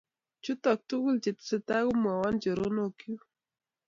Chutok tuguk che tesetai komwoiwon choronokyuk